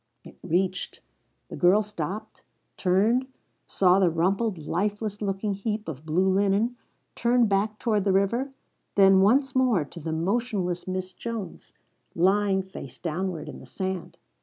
It reached; the girl stopped, turned, saw the rumpled, lifeless looking heap of blue linen, turned back toward the river, then once more to the motionless Miss Jones, lying face downward in the sand.